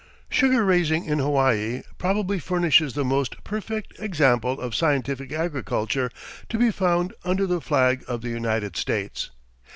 Sugar raising in Hawaii probably furnishes the most perfect example of scientific agriculture to be found under the flag of the United States.